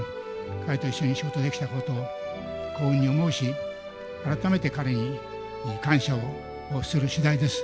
彼と一緒に仕事できたことを、幸運に思うし、改めて彼に感謝をするしだいです。